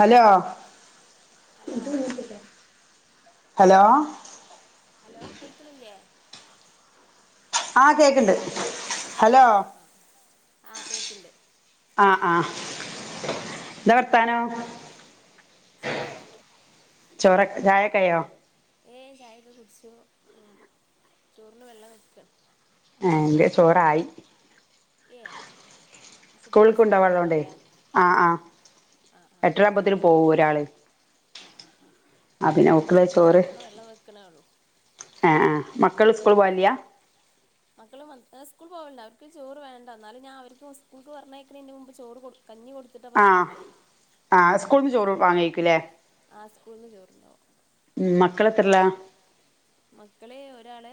Hello hello hello. Hello കേക്ക്ണില്ല്യെ ആഹ് കേക്ക്ണ്ട് ഹലോ ഹലോ. ആഹ് ആഹ് ആഹ് ആഹ് കേക്ക്ണ്ട് ആഹ് ആഹ്‌ ന്താവർത്താനോ സുഖണ് ചൊറക്കെ ചായക്കയോ? ഏ ചായൊക്കെ കുട്ച്ചു ഉം ചോറിന് വെള്ളം വെക്ക ഏ ന്റെ ചോറായി. ഏ കുട്ടികള് സ്കൂൾക്ക് സ്കൂൾക്കൊണ്ടാവാള്ളോണ്ടേ പോവണ്ടാവൂലേ ആ ആ ആഹ് എട്ട്രവുമ്പോത്തിന് പോവു ഒരാള് ആ ആ ആ ആ പിന്നെ ഓക്ക്ള്ള ഞാന്തചോർന് വെള്ളം വെക്ക്ണ്ണേള്ളൂ ഏ ഏ മക്കള് സ്കൂള് പോവൽയാ മക്കള് മദ് സ്കൂൾ പോവൾണ്ട് അവർക്ക് ചോറ് വേണ്ട എന്നാലും ഞാ അവർക്ക് സ്കൂൾക്ക് പർഞയ്ക്ക്ണന്റെ മുമ്പ് ചോറ് കൊട്ക്ക് കഞ്ഞി കൊട് ആ ആ സ്കൂൾക്ക് ചോറ് വാങ്ങിക്കല്ലേ ആ സ്കൂൾന്ന് ചോർണ്ടാവും മക്കളെത്തർലാ മക്കള് ഒരാള്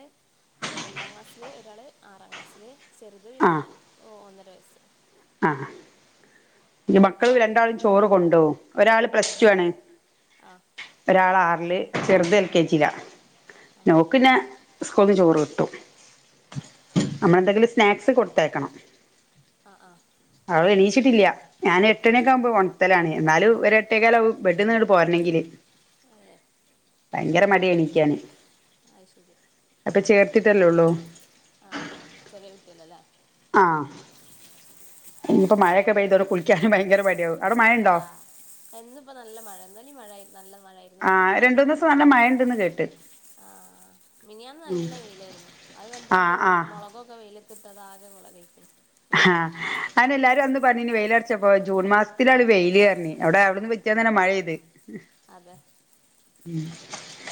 ഏ രണ്ടാം ക്ലാസ്‌ല് ഒരാള് ആറാ ക്ലാസ്ല് ചെർത് പിന്നെ ഓ ഒന്നര വയസ്സ് ആഹ്‌ അഹ്‌ പിനെ ഇങ്ങളെ മക്കള് മക്കളോ രണ്ടാള് ചോറ് കൊണ്ടോവും ഒരാള് ആഹ് പ്ലസ്ടു ആണ് ആഹ് ഒരാളാർല് ചെർത് ഏൽക്കേജി ലാ പിന്നെ ഓൾക്ക് ന്നെ സ്കൂൾന്ന് ചോറ്ട്ടും നമ്മളെന്തെങ്കിലും സ്നാക്സ് കൊടുത്തേക്കണം ആഹ്‌ ആഹ്‌ അവു എണീച്ചിട്ടില്യ ഞാൻ എട്ടണി കാവുമ്പോ ഒൺ ത്തലാണ് ന്നാലു ഒരെട്ടേക്കാലവും ബെഡിന്ന്ട് പോരണണ്ടെങ്കില് ഏഹ് ഭയങ്കരമടിയ എണിക്കാന് അത് ശരി അപ്പൊ ചേർത്തിട്ടല്ലെള്ളൂ ആ ചെറിയ കുട്ടില്ലല്ലേ ആ ഇഞ്ഞിപ്പോ മഴയൊക്കെ പിന്നെ പെയ്തോടെ കുളിക്ക്യാനും ഭയങ്കരമടിയാവും അവിടെ മഴണ്ടോ? എന്ന്പ്പോ നല്ല മഴ ഇന്നലി മഴായിരുന്നു നല്ല മഴായിരുന്നു ഇന്നപോ ആഹ് നല്ല രണ്ട് മൂന്ന് മഴയ ദിവസം മഴയുണ്ടെന്ന് കേട്ട് ആഹാ മീനിയാന്ന് നല്ല വെയിലായിരുന്നു അത് കണ്ടാണ്ട് ആഹ് മൊ ആഹ് മൊളകൊക്കെ വെയില ട്ടതാകെ വെളകായിക്കുണു. ഹ് അയിന് എല്ലാരന്ന് പറഞ്ഞീനി വെയിലർച്ചപ്പോ ജൂൺ മാസ്‌ത്തിലാണ് വെയില്ർഞ്ഞി അവിടെ അ ന്ന് പിറ്റേന്നെന്നെ മഴയ്ത് അതെ.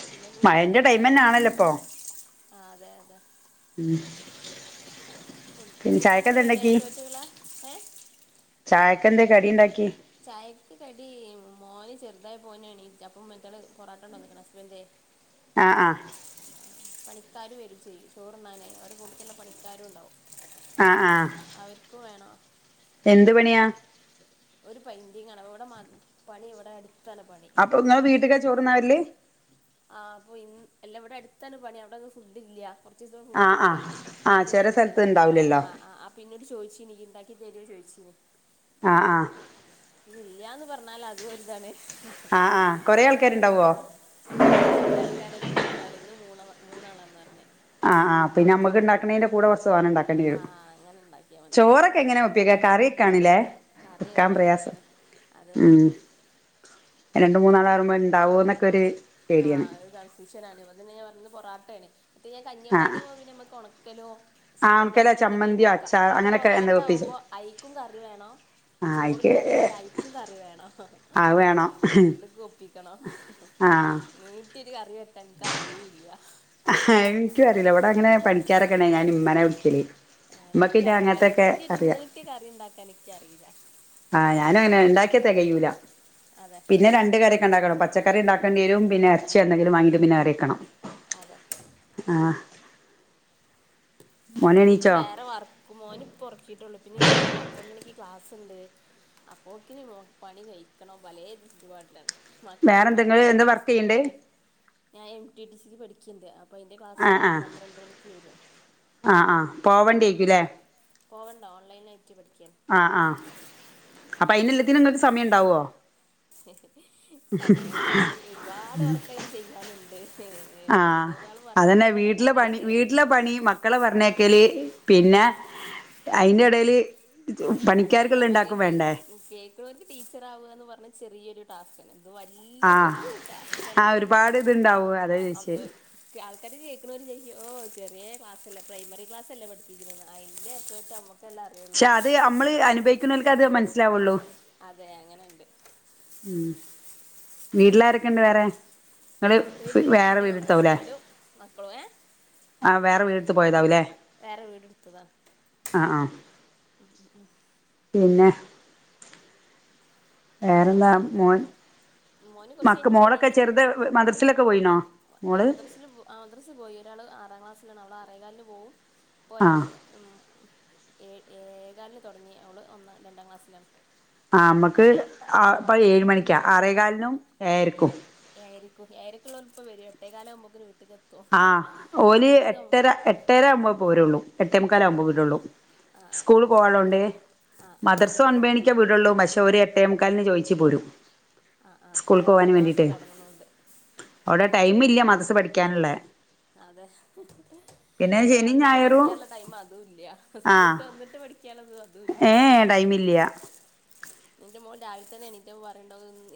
പിന്നെ മഴന്റെ ടൈംന്നെ ആണല്ലോപ്പൊ ആ അതെ അതെ ഉം കൂട്ടാനൊക്കെ റെഡയായോ ചോറ്റുക്കുള്ളെ ഏ ചായക്കെന്തെ കടിണ്ടാക്കി? ചായക്ക് കടി മോന് ചെറുതായിപോ ഒന്നെണീറ്റ് അപ്പം മറ്റാള് പൊറാട്ടണ്ടോന്ന്ക്ക്ണ് ഹസ്ബന്റെ ആഹ് ആഹ്‌ പണിക്കാര് വരും ചെയ്യും ചോറ്ന്നാനെ ഓരെ കൂട്ത്തിൽ ഇള്ള പണിക്കാരുംണ്ടാവും അതൊ ആഹ് പിന്നെ ആഹ് അവർക്കു വേണോ എന്ത് പണിയാ ഒരു പെന്റിങ്ങാണ് അ ഇവിടെ പണി ഇവിടെ അടുത്താണ് പണി അപ്പൊ ഇങ്ങളെ വീട്ടിക്കാ ചോറ്ന്ന വരല്? ആഹ് അപ്പ ഇ എല്ലാം ഇവിടെ അടുത്താണ് പണി അവിടെന്ന് ഫുഡ് ഇല്ല. ഒറ്റീസം ആഹ് ഫുഡ്ല്ല ആഹ് ആഹ് ചെല വല്യന്തോ സ്ഥലത്ത് ബിൽഡിങ്ങിന്റെ പണി ഇണ്ടാവൂലല്ലോ ആഹ് ആഹ് ആഹ് അ ഇപ്പ ഇന്നോട് ചോയ്ച്ചിനി ഇയ്യ്‌ണ്ടാക്കി തരോ ചോയിച്ചീനി ആഹ് ആഹ് ഇല്ലാന്ന് പറഞ്ഞാല് അതും ഒരുതാണ് ആഹ് ആഹ് കൊറേ ആൾക്കാര്ണ്ടാവോ അതിനനൊക്കക്കെ ഇല്ല രണ്ടാൾക്കാരാണ് എന്നും ഉണ്ടാവൽ ഇന്ന് മൂ മൂന്നാളാണെന്നാ പറഞ്ഞ ആഹ് ആഹ് പിന്നെ നമ്മക്ക് ഉണ്ടാക്കണന്റെ കൂടെ കൊറച്ച് തോനെണ്ടാക്കേണ്ടി ആ വരും. അങ്ങനെ ഉണ്ടാക്കിയാൽ മതി ചോറ എങ്ങനെ ഒപ്പിക്ക കറിക്കാണില്ലേ കറി വക്കാൻ പ്രയാസം വെക്കാനൊക്കെയാണ് അത് ഉം രണ്ട് മൂന്നാളാകുമ്പോൾ ഉണ്ടാവൊ ന്നൊക്കെരു ആഹ് ഒരു കൺഫൂഷൻ ആണ് അതനെ ഞാൻ പറഞ്ഞത്ഇന്ന് പൊറാട്ടേ മറ്റേ ഞാൻ കഞ്ഞി ആഹ് കഞ്ഞിയാ കുമ്പോൾ പിന്നമ്മക്ക് ഒണക്കലോ ആഹ് സമ്മന്തി ഒണക്കലാ അങ്ങനെ എന്തെങ്കിലും ചമ്മന്തിയോ കൊടുക്കാ അച്ചാ ഇത് അങ്ങനെയൊക്കെ എന്താ പൊറാട്ട വെപ്പിച്ച് ആകുമ്പോ ഐക്കും കറി വേണം ആഹ് അയിക്ക് ചോറണ്ടാക്കിയാല് ഐക്കും കറി വേണം അത് വേണം രണ്ടുക്കും ഒപ്പിക്കണം ആഹ് നീട്ടിഒരു കറി വക്കാൻ ഇന്ക്ക് അറിയൂല്ല ആ്ഹ് ഇനിക്കും അറിയില്ല ഇവിടെ അങ്ങനെ പണിക്കാരൊക്കെണേ ഞൻ ഇമ്മനെ വിളിക്കൽ ആഹ് ഇനിക്കറിയില്ല വല്യൊരു നീട്ടിയ കറി ഉണ്ടാക്കാൻ ഇനിക്കറിയില്ല ആഹ് ഞാനുംങ്ങനെ ഉണ്ടാക്കിയ തെ കയൂല അതെ പിന്നെ രണ്ട് കറി ണ്ടാക്കണം പച്ചക്കറി ഉണ്ടാക്കണ്ടിരും പിന്നെ എറച്ചി എന്തെങ്കിലും വാങ്ങിട്ട്ന കറിവെ ക്കണം അതെ ആഹ് മോന് പിന്നെ ഇക്ക് എണീച്ചോ വേറെ വർക്ക് മോന് പൊ ഒറക്കിട്ടൊള്ളു പിന്നെ എനിക്ക് പന്ത്രണ്ട് മണിക്ക് ക്ലാസുണ്ട് അപ്പോക്കിന് പണി കഴിക്കണം പലേ ചുറ്റുപാടിലാണ് മക്കളെ വേറെ എന്തെങ്ങള് ഒൻപത്തര എന്താ ആവുബൊക്ക്ൻ വർക്ക് സ്കൂള് ചെയ്യണ്ട് പറഞ്ഞയി ഞാൻ എം ടി ടി സിക്ക് പഠിക്ണ്ട് അപ്പോൾ അതിൻ്റെ ക്ലാസ് ആഹ് ആഹ് പന്ത്രണ്ട് മണിക്ക് വരും. ആഹ് ആഹ് പോവേണ്ടേയ്കുലെ? പോവണ്ട ഓൺലൈനായിട്ട് പഠിക്കാണ് ആഹ് ആഹ് അപ്പൊ അയിന് എല്ലാത്തിനും ഇങ്ങൾക്ക് സമയം ഇണ്ടാവോ? സമയംന്ന് പറഞ്ഞാല് ഒരുപാട് വർക്ക് അതിൽ ചെയ്യാനുണ്ട് ആഹ് അതന്നെ വീട്ടിലെ പണി കേറി. വീട്ടിലെ പണി മ മക്കളെ പറഞ്ഞേക്കൽ പിന്നെ അതിന്റെ എടയിൽ അതെ ഞാൻ പറഞ്ഞ് കേൾക്കണോല്ക്ക് ഒരു ടീച്ചറവുക എന്ന് പറഞ്ഞ ചെറിയരു ടാസ്കാ ണ് അത് വലിയൊരു ആഹ് ആഹ് ടാസ്കാണിത് ഒരുപാട് ഇത്ണ്ടാവും അതാ ആ അം ചോയിച്ചേ ആൾക്കാര് കേൾക്ക്ണോര് ചൊയ്യ്ക്കും ചെറിയ ക്ലാസല്ലേ പ്രൈമറി ക്ലാസലേ പഠിപ്പിക്കണേ അതിന്റെ എഫെർട്ട് പക്ഷെ അത് നമ്മള് അനുഭവിക്കുന്നോൽക്കെ അത് മനസ്സിലാവൊള്ളൂ അതെ അങ്ങനെണ്ട് ഉം വീട്ടിലാരൊക്കെണ്ട് വേറെ നിങ്ങൾ വീട്ടില് വേറെ ഞാനും വീടെടുത്താവും ല്ലേ ഹസ്ബൻഡും മക്കളും ഏ ആഹ് വേറെ വീടെടുത്ത് പോയതാവും ല്ലേ വേറെ വീടെടുത്തതാ ഉം ഉം ഉം പിന്നെ വേറെന്താ പിന്നെ മോൻ മോന് കുറച്ച് മക്ക് കഴിഞ്ഞപ്പോ മോളൊക്കെ എണീക്കും ചെറുത മദ്രസിലൊക്കെ പോയിണോ. മദ്രസിൽ ആഹ് മദ്രസിൽ പോയി ഒരാൾ ആറാം ക്ലാസ്സിലാണ് അവൾ അറേകാലിന് പോകു ഇപ്പോൾ ഒരാൾ ആഹ് ഉം ഏയേകാലിന് തൊടങ്ങി അവള് ഒന്ന് രണ്ടാം ക്ലാസ്സിലാണ് ആഹ് നമക്ക്പ്പ ഏഴ് മണിക്കാ ആറേ കാലിനും ആഹ് ഏയരക്കും ഏയരക്കും ഏയരക്കുള്ളവർ ഇപ്പ വരും എട്ടേകാലകുബൊക്ക്ൻ വീട്ട്ക്ക് എത്തും ആഹ് ഓല് മറ്റേത് ആ എട്ടര എട്ടര ആവുമ്പോ പോരൊള്ളൂ എട്ടേമുക്കാല ആവുമ്പോ വിടെ ള്ളൂ ആ ആ സ്കൂൾ ആ പോവളോണ്ട് ആ മദർസോ ആ ഒൻബേണിക്ക വിടൊള്ളൂ പക്ഷേ ഓര് എട്ടേം മുക്കാലിൻ ചോദിച്ചു പോരും ആഹ് ആഹ് സ്കൂൾക്ക് നേരത്തെ പോകാൻ ക്ലാസ്സ് വേണ്ടിയിട്ടേ തുടങ്ങുന്ന കൊണ്ട്. അവിടെ ടൈം ഇല്ല മദ്രസ്സ് പഠിക്കാനുള്ളേ. അതെ പിന്നെ ഇവിടെ ശനിയും വന്നിട്ട് ഞായറും പഠിക്കാനുള്ള ടൈം അതും ഇല്ല ആ സ്കൂളിട്ട് വന്നിട്ട് പഠി പഠിക്യയുള്ളത് അതും ഇല്ല. ടൈം മില്ല്യാ. എന്റെ മോൻ രാവിലെ തന്നെ എണീറ്റപ്പോ പറയുണ്ട് എന്നും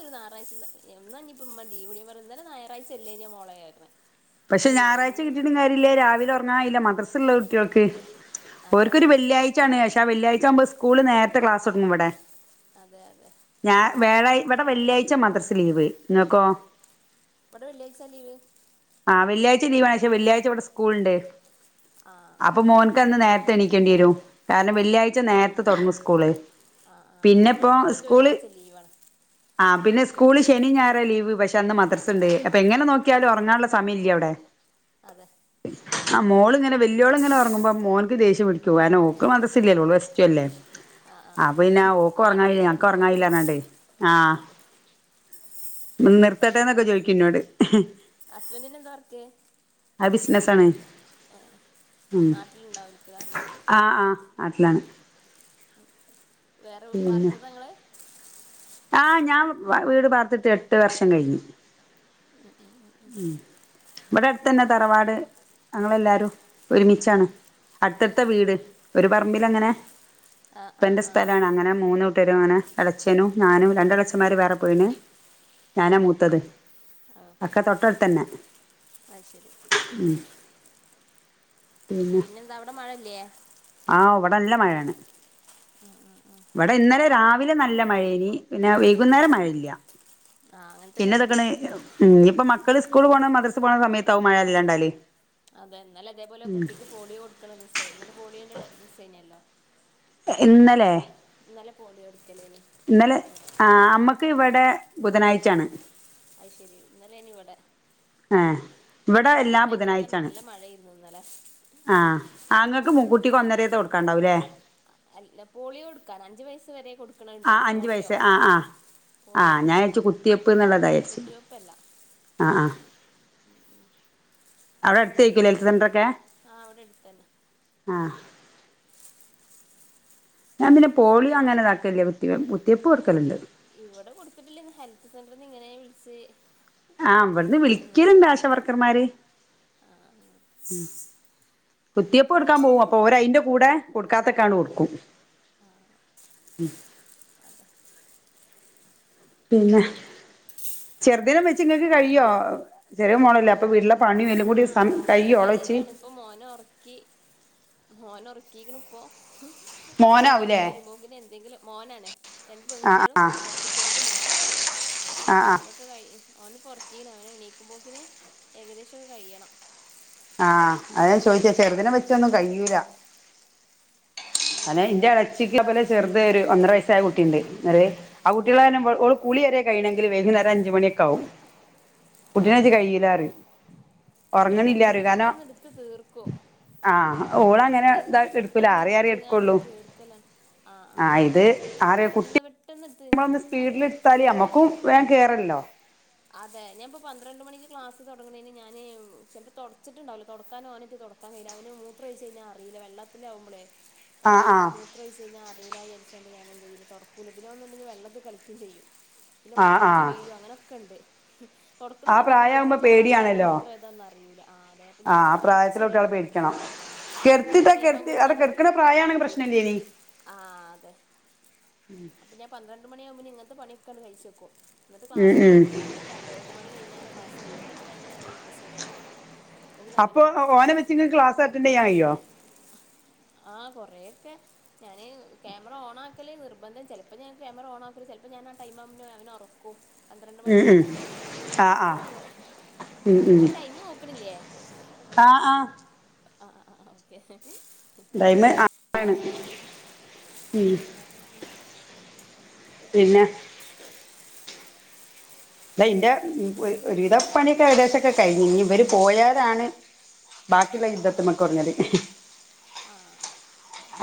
ഈ ഞായറാഴ്ച എന്നാ ഇനി ത്തു ഉമ്മ ലീവ് ഞാൻ പറഞ്ഞു ഇന്നലെ ഞായറാഴ്ച അല്ലേയ്നിയോ മോളേ പറഞ്ഞു. പക്ഷെ ഞായറാഴ്ച കിട്ടിയിട്ടും കാര്യമില്ല രാവിലെ ഉറങ്ങാകയ്യുല മദ്രസ്സുള്ള കുട്ടികൾക്ക്. അതെ ഒര്ക്കൊരു വെള്ളിയാഴ്ചയാണ് പക്ഷെ ആഹ് വെള്ളിയാഴ്ച ആകുമ്പോ സ്കൂള് നേരത്തെ ക്ലാസ് തുടുങ്ങും ഇവിടെ. അതെ അതെ. ഞാൻ വേഴ ഇവിടെ വെള്ളിയാഴ്ച മദ്രസ്സ് ലീവ് നിങ്ങൾക്കോ? ഇവിടെ വെള്ളിയാഴ്ച്ചയാ ലീവ്. ആഹ് വെള്ളിയാഴ്ച ലീവാണ് പക്ഷെ വെള്ളിയാഴ്ച ഇവിടെ സ്കൂള് ഉണ്ട് ആ അപ്പൊ മോൻക്ക് അന്ന് നേര ത്തെ എണീക്കേണ്ടി വരും കാരണം വെള്ളിയാഴ്ച നേരത്തെ തുടങ്ങു സ്കൂള്. ആഹ് ആഹ് ആഹ് പിന്നെ ഇവിടെ ഇപ്പോ മക്കക്ക് സ്കൂള് വെള്ളിയാഴ്ച ലീവാണ്. ആഹ് പിന്നെ സ്കൂള് ശനി, ഞായർ ലീവ് പക്ഷെ അന്ന് മദ്രസുണ്ട് അപ്പൊ എങ്ങനെ നോക്കിയാലും ഉറങ്ങാനുള്ള സമയില്യ ഇവിടെ. അതെ. ഉം. ആഹ് മോള് ഇങ്ങന വല്യാള് ഇങ്ങനെ ഉറങ്ങുമ്പോ മോള്ക്ക് ദേഷ്യം പിടിക്കും കാരണം ഓൾക്ക് മദ്രസ്സ് ഇല്ലല്ലോ ഓള് പ്ലസ്ടു അല്ലേ. ആ ആ അപ്പ ആ പിന്നെ ഓക്ക് ഉറങ്ങാ കാണുമ്പോ കഴിയും ഞങ്ങക്ക് ഈറടിച്ചു ഉറങ്ങാ പോവും കഴിയില്ലാ പറഞ്ഞു കൊണ്ട് ആഹ്. അതെ നിർത്തട്ടെന്നൊക്കെ ചോദിക്കും ഇന്നോട്. ഹസ്ബന്റിന് എന്താ വർക്ക്? അത് ബിസിനസ്സാണ് ഏഹ് നാട്ടിലുണ്ടാവും ഓലേയ്ക്കെ. ആഹ് ആഹ് നാട്ടിലാണ്. വേറെ പാർത്തതാ നിങ്ങള്. ആഹ് ഞാൻ വീട് പാർത്തിട്ട് എട്ട് വർഷം കഴിഞ്ഞു. ഉം ഇവിടെ അടുത്ത് തന്നെ തറവാട് ഞങ്ങളെല്ലാരും ഒരുമിച്ചാണ്. അടുത്തടുത്ത വീട് ഒരു പറമ്പില് അങ്ങനെ. ആ ആ ഇപ്പേന്റെ ആ സ്ഥലമാണ് അങ്ങനെ മൂന്ന് കുട്ടരും ഏളച്ചേനും. ഞാനും രണ്ട് എളച്ചന്മാര് വേറെ പോയിന് ഞാനാ മൂത്തത്. ഒക്കെ തൊട്ട് അടുത്ത് തന്നെ. അയ്ശരി. ഉം. പിന്നെ എന്താ അവിടെ മഴയില്ലേ? ആഹ് ഇവിടെ നല്ല മഴയാണ്. ആഹ് ആഹ് ആഹ്. ഇവിടെ ഇന്നലെ രാവിലെ നല്ല മഴയേനി പിന്നെ വൈകുന്നേരം മഴയില്ല. ആഹ് അങ്ങനെ തന്നെ പിന്നെ ഇവടിം ഇതൊക്കണ് ഇപ്പൊ മക്കള് സ്കൂള് പോണ, മദ്രസ് പോണ സമയത്താകും മഴ അധികം ഇണ്ടാകല്. അതെ ഇന്നെലെ അതേപോലെ കുട്ടിക്ക് പോളിയോ കൊടുക്കണ ദിവസാ ഇന്നലെ പോളിയോന്റെ ദിവസേനെയല്ലോ. ഇന്നലെ. ഇന്നലെ പോളിയോ കൊടുക്കലേനീ. ആഹ് നമ്മുക്ക് ഇവിടെ ബുധനാഴ്ച്ചയാണ്. അയ്ശെരി ഇന്നലെ അയ്നി ഇവിടെ. ആഹ് ഇവിടെ എല്ലാ ആ ടൈമിലൊക്കെ ബുധനാഴ്ച്ചയാണ്. നല്ല മഴയായിരുന്നു ഇന്നലെ ആഹ് അങ്ങൾക്ക് കുട്ടിക്ക് ഒന്നെരയ്ത്തെ കൊടുക്കാണ്ടാവൂല്ലേ? അല്ല പോളിയോ കൊടുക്കാൻഅഞ്ച് വയസ്സ് വരെ കൊടുക്കാം. ആഹ് അഞ്ചു വയസ്സ് ആഹ് ആഹ് ആഹ് പോളിയോ ഞാൻ വിചാരിച്ചു കുത്തിവയ്പ്പ് എന്നുള്ളതാ അല്ല വിചാരിച്ചു. കുത്തിവെപ്പല്ല ആഹ് ആഹ് അവിടെ അടുത്ത് ആയ്ക്കും ഹെൽത്ത് സെന്ററൊക്കെ? ആഹ് ഇവിടെ എടുത്തു തന്നെ. ആഹ് ഞാൻ പിന്നെ പോളിയ അങ്ങനെതാക്കല്യ കുത്തിവെ കുത്തിവെപ്പ് കൊട്ക്കല്ണ്ട് ഇവിടെ കൊടുത്തിട്ടില്ലെങ്കി ഹെൽത്ത് സെന്ററിന്ന് ഇങ്ങനെ വിളിച്ച് ആ വിടുന്ന് വിളിക്കല്ണ്ട് ആശ നിർബന്ധ വർക്കർമാര് ആഹ് ആഹ് കുത്തിവെപ്പ് കൊടുക്കാൻ പോകും അപ്പൊ ഓര് അയ്ന്റെ കൂടെ കൊടുക്കാത്തൊക്കെആണ്ട് കൊട്ക്കും. [inaudible] അതെ പിന്നെ ചെറുതിനം വെച്ച് ങ്ങക്ക് കഴിയോ ചെറിയ മോളല്ലേ അപ്പ വീട്ട്ലെ പണി എല്ലം കൂടി ആഹ് സമ അങ്ങനെ കയ്യിലാണ് ഇപ്പ മോന ഒർക്കി മോനഒർക്കിക്ക്ണ് പ്പോ അവന് എണീറ്റ് മോനാവൂലേ വരുമ്പോക്ക്ന് എന്തെങ്കിലും മോനാണ് രണ്ട് ആ പെൺകുട്ടികളും മറ്റ ചെറുത് മോനാണ് ആഹ് ആഹ് ക്ക കയ് ഓന് പ്പൊർക്കീണ് അവന് എണീക്കുമ്പോക്കിന് ഏകദേശം ഒക്കെ കഴിയണം ആ അതെ ഞാൻ ചോയ്ചെ ചെറുതിനെ വെച്ചൊന്നും കഴിയൂല ഉം അന്നെന്റെ എളച്ചിക്ക് അ പോലെ ചെറുത് ഒരു ഒന്നര വയസ്സായ കുട്ടിണ്ട് അത് ആ കുട്ടിള്ളാരണം ഓള് കുളിയരെക ഴിണെങ്കിൽ വൈകുന്നേര അഞ്ച് മണിക്കെ ആകും കുട്ടിനെയ്റ്റ് കഴിയൂലാറിം ഞാൻ പിന്നെ ഒർങ്ങണില്ല അറി പെട്ടെന്ന് കാര്നം പെട്ടെന്ന് എടുത്ത് തീർക്കും ആ ഓള് അങ്ങനെ എങ്ങനെയെങ്കിലും ഇതാക്കിട്ക്കൂല പെട്ടെന്ന് അറി അറി എടുത്ത്ങ്ങാണ്ട് ക്കൊള്ളു തീർക്കലാണ് ആ ഇത് ആറി കുട്ടി പെട്ടെന്ന്ട്ട് നമ്മളൊന്ന് സ്പീഡ്ല്ട്ത്താല് എമ്മക്കും വേം കേറല്ലോ അതെ ഞാൻപ്പൊ പന്ത്രണ്ട് മണിക്ക് ക്ലാസ് തുടങ്ങണന് ഞാന് ചെൽപ്പോ തൊട്ച്ചിട്ടുണ്ടാവുല തൊട്ക്കാനോനറ്റ് തൊട ക്കാം കഴീല അവന് മൂത്രഴിച്ച് കഴിഞ്ഞാ അറീല വെള്ളത്തിലാകുമ്പളെയ് ആ വെള്ളം ആ മു മൂത്രൊഴ്ച്ചയ്ഞ്ഞാ അറീലാജാര്ച്ചാണ്ട് ഞാനെന്തെയൂല തൊട്കൂല പിന്നൊന്നുണ്ടെങ്കി വെള്ളത്ത് കളിക്കും ചെയ്യും പിന്നെ ആ ആ വതുക്കി വീഴും അങ്ങനൊക്കെണ്ട് തൊട്ക്ക്ണ ആ സമയത്ത് പ്രായമാകുമ്പോ മൂത്രൊഴിച്ചിട്ട് വള്ള ഏതാ പേടിയാണല്ലോ മൂത്രേതാന്ന് അറിയൂല ആ അതെ അപ്പ ആ ഞാന് ആ നല്ല പ്രായത്തിലെ കുട്ടികളെ അടിച്ചേരിടും പേടിക്കണം കെട്ത്തിട്ട കെട്ത്തി ഓല് അവ്ടെ നല്ല കെട്ക്ക്ണ പ്രായാണെങ്കി പ്രശ്നല്ലേയ്നി ആ അതെ അപ്പൊ ഞാൻ പന്ത്രണ്ട് മണി ആകുമ്പോന് ഇങ്ങനത്തെ പണിക്കെണ്ട് കഴിച്ചക്കും ന്നിട്ട് ഉം ക്ലാസിന് ഉം കേറി കഴിഞ്ഞ് പിന്നെ പന്ത്ര ഒരു മണിഴിഞ്ഞാല ക്ലാസ് കയ്യല് ആ ടൈമിൽ എന്തെയ്യും ജസ് തൊടക്കും അപ്പൊ ഓനെ വെച്ച്ങ്ങക്ക് ക്ലാസ് അറ്റൻഡറ് ചെയ്യാൻകയ്യോ? ആ കുറേക്കെ ഞാന് ക്യാമറ ഓണക്കല് നിർബന്ധം ചെൽപ്പ ഞാൻ ക്യാമറ ഓൺ ആക്കുല ചെൽപ്പ ഞാൻ ആടൈ ആവുംന് അവനെ ഒർ പന്ത്രണ്ട് ഉം ഉം മണിക്കല്ലേ ആ ആ ചെൽപ്പൊർങ്ങും ങ്ങൾ ടൈമ് നോക്കണില്ലേ ആഹ് ആഹ് ആ ആ ആ ഓക്കെ ടൈമ് [unintelligible] ആണ് ഉം ആഹ് ആഹ് ആഹ് പിന്നെ ല്ലാ ഇന്റെ ഒരുവിധപ്പണിയൊക്കെ ഏകദേശംക്കെ കഴിഞ്ഞു ഇനി ഇവര് പോയാലാണ് ബാക്കിള്ള യുദ്ധത്ത്മ്മക്കൊട്ങ്ങല് ആഹ്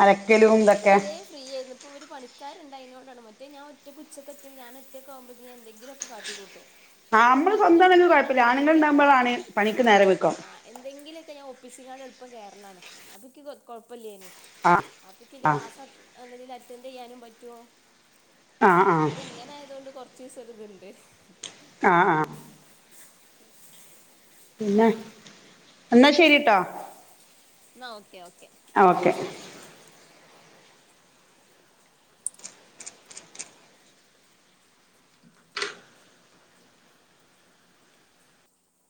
അതെക്ക് ഇത് വരെ ഫ്രീ ആയിരുന്നു ഇപ്പോ ഒരു പണിക്കാരുണ്ടായതിനോണ്ടാണ് മറ്റെ ഞാൻ ഒറ്റ ഉച്ചൊക്കെ ഒറ്റ ഞാൻ ഒറ്റക്കാകുമ്പോ എന്തെങ്കിലൊക്കെ കാട്ടിക്കൂട്ടും ആ നമ്മള് ചോറണ്ടാക്കിങ്ങാണ്ട് സ്വന്തമാണെങ്കിൽ കൂട്ടാനോണ്ട് കുഴപ്പമില്ല ആണുങ്ങൾ എന്തെങ്കിലൊക്കെ ഉണ്ടാകുമ്പോഴാണ് ആ പണിക്ക് നേരം വെക്കും ആ എന്തെങ്കിലുക്കെ ഞാൻ ഒപ്പിച്ചിങ്ങാണ്ട് എളുപ്പം കേറലാണ് അപ്പക്ക് കൊ കൊഴപ്പല്ലേന് ആഹ് അപ്പക്ക് എന്റെ ആഹ് ക്ലാസ് നല്ലതിൽ അറ്റൻഡ് ചെയ്യാനും പറ്റുവോ ആഹ് ആഹ് ഇപ്പൊ ഇങ്ങനെ ആയതൊണ്ട് കൊറച്ചീസം ഒരു ഇതുണ്ട് ആഹ് ആഹ് പിന്നെ എന്നാ ശരീട്ടോ ന്നാ ഓക്കെ ഓക്കെ ആഹ് ഓക്കെ